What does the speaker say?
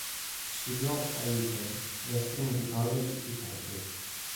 Studiò a Eton e al Trinity College di Cambridge.